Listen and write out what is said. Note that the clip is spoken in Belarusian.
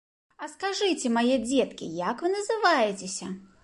А скажыце, мае дзеткі, як вы называецеся?